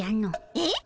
えっ？